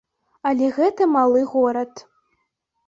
Але гэта малы горад.